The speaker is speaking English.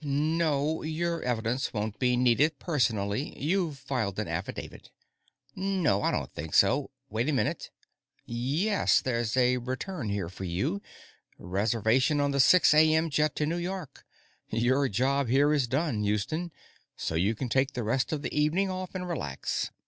No; your evidence won't be needed personally. You've filed an affidavit. No, I don't think wait a minute! Yes, there's a return here for you; reservation on the six A.M. jet to New York. Your job here is done, Houston, so you can take the rest of the evening off and relax.